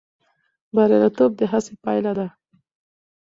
بریالیتوب د هڅې پایله ده.